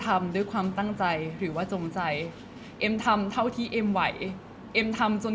เพราะว่าสิ่งเหล่านี้มันเป็นสิ่งที่ไม่มีพยาน